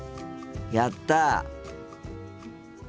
やった！